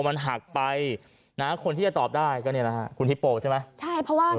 มันหักไปนะคนที่จะตอบได้ก็เนี่ยนะฮะคุณฮิปโปใช่ไหมใช่เพราะว่า